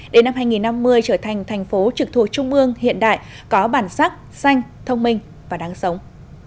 đến năm hai nghìn năm mươi trở thành thành phố trực thuộc trung ương hiện đại có bản sắc xanh thông minh và đáng sống